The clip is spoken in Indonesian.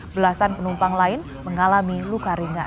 belasan penumpang lain mengalami luka ringan